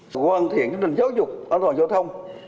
hoàn thiện kinh doanh giáo dục an toàn giao thông